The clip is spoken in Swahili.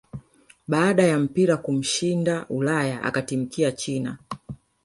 baada ya mpira kumshinda Ulaya akatimkia china